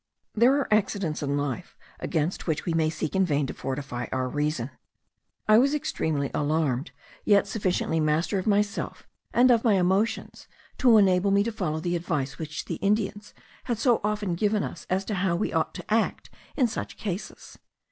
There are accidents in life against which we may seek in vain to fortify our reason. I was extremely alarmed, yet sufficiently master of myself and of my motions to enable me to follow the advice which the Indians had so often given us as to how we ought to act in such cases.